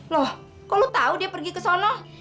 loh kok lo tau dia pergi ke sana